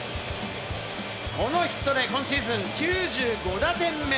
このヒットで今シーズン９５打点目。